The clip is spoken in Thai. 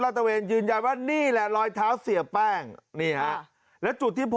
ตะเวนยืนยันว่านี่แหละรอยเท้าเสียแป้งนี่ฮะแล้วจุดที่พบ